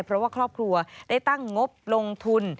เพราะว่าครอบครัวได้ตั้งงบลงทุน